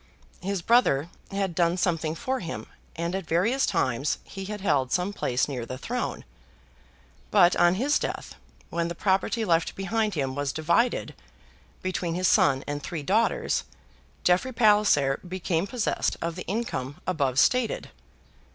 His brother had done something for him, and at various times he had held some place near the throne. But on his death, when the property left behind him was divided between his son and three daughters, Jeffrey Palliser became possessed of the income above stated.